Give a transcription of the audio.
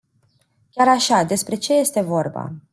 Chiar așa, despre ce este vorba?